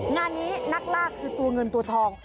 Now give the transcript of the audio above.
งานนี้นักลากคือตัวเงินตัวทอง